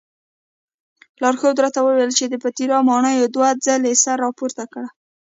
لارښود راته وویل چې د پیترا ماڼیو دوه ځلې سر راپورته کړی.